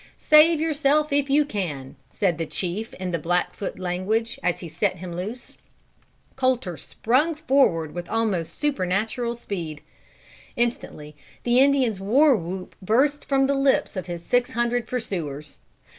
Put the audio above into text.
"Save yourself if you can," said the chief in the Blackfoot language as he set him loose. Colter sprung forward with almost supernatural speed. Instantly the Indian's war whoop burst from the lips of his six hundred pursuers.